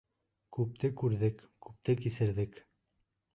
Күпте күрҙек, күпте кисерҙек.